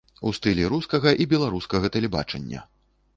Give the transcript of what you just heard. У стылі рускага і беларускага тэлебачання.